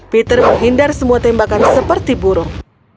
peter menghindar semua tembakan seperti burung